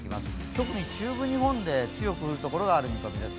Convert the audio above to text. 特に中部日本で強く降るところがある見込みです。